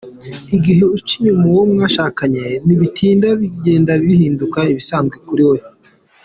Igihe uca inyuma uwo mwashakanye, ntibitinda bigenda bihinduka ibisanzwe kuri wowe.